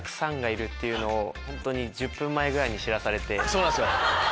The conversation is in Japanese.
そうなんすよ